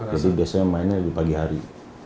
jadi biasanya mainnya di pagi hari